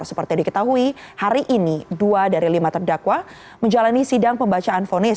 seperti diketahui hari ini dua dari lima terdakwa menjalani sidang pembacaan fonis